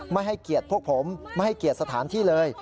ไม่ให้เกียรติพวกผมไม่ให้เกียรติสถานที่เลย